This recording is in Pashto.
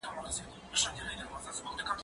زه به سبا سبزیحات جمع کړم!؟